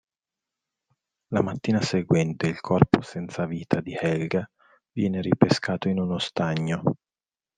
La mattina seguente il corpo senza vita di Helga viene ripescato in uno stagno.